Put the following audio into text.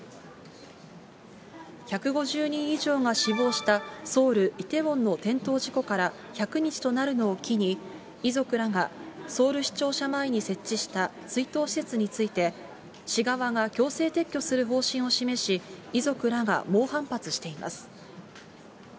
１５０人以上が死亡したソウル・イテウォンの転倒事故から１００日となるのを機に、遺族らがソウル市庁舎前に設置した追悼施設について、市側が強制撤去する方針を示し、遺族らが猛反発しています。